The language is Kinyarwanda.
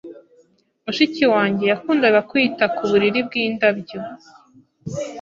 Mushiki wanjye yakundaga kwita ku buriri bwindabyo.